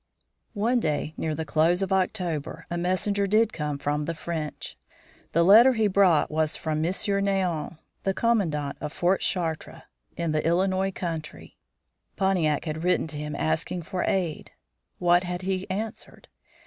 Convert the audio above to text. One day, near the close of October, a messenger did come from the French. The letter he brought was from M. Neyon, the commandant of Fort Chartres, in the Illinois country. Pontiac had written to him asking for aid. What had he answered?